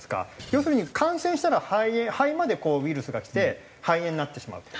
要するに感染したら肺炎肺までこうウイルスが来て肺炎になってしまうと。